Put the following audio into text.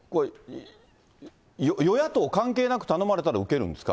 与野党関係なく頼まれたら受けるんですか？